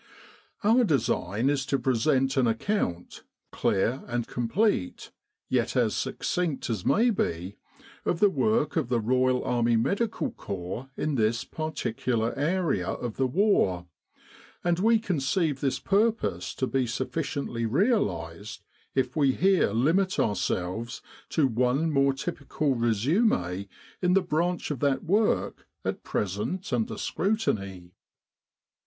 Our design is to present an account clear and complete, yet as succinct as may be of the work of the Royal Army Medical Corps in this particular area of the war; and we conceive this purpose to be sufficiently realised if we here limit ourselves to one more typical resume* in the branch of that work at present under scrutiny.